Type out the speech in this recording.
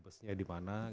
busnya di mana